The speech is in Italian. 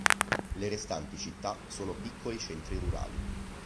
Le restanti città sono piccoli centri rurali.